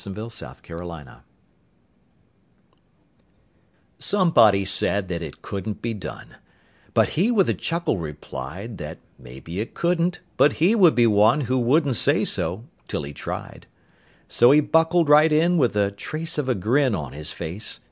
37 It Couldn't Be Done Somebody said that it couldn't be done, But he with a chuckle replied That "maybe it couldn't," but he would be one Who wouldn't say so till he'd tried. So he buckled right in with the trace of a grin On his face.